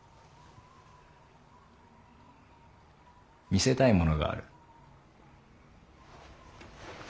見せたいものがある。